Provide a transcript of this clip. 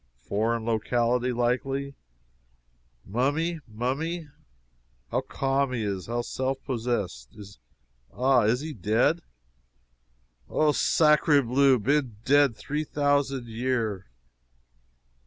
Foreign locality, likely. Mummy mummy. How calm he is how self possessed. Is, ah is he dead?" "Oh, sacre bleu, been dead three thousan' year!"